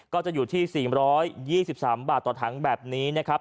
ก็จะอยู่ที่๔๒๓บาทต่อถังแบบนี้นะครับ